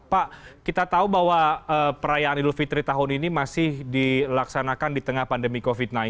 pak kita tahu bahwa perayaan idul fitri tahun ini masih dilaksanakan di tengah pandemi covid sembilan belas